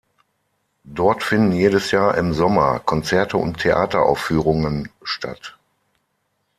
Dort finden jedes Jahr im Sommer Konzerte und Theateraufführungen statt.